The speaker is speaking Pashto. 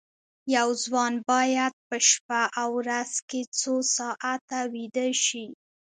یو ځوان باید په شپه او ورځ کې څو ساعته ویده شي